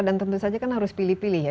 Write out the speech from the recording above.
dan tentu saja kan harus pilih pilih ya